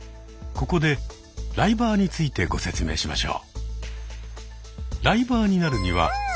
ここでライバーについてご説明しましょう。